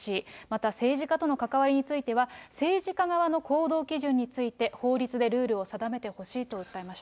また、政治家との関わりについては、政治家側の行動基準について法律でルールを定めてほしいと訴えま